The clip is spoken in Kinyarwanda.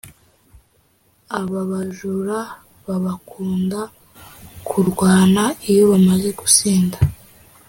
Ababajura babakunda kurwana iyo bamaze gusinda